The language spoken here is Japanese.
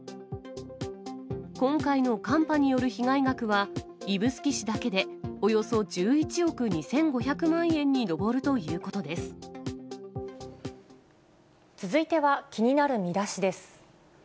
今回の寒波による被害額は、指宿市だけでおよそ１１億２５００万円に上るということで続いては気になるミダシです。